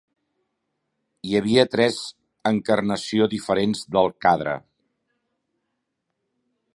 Hi havia tres encarnació diferents del Cadre.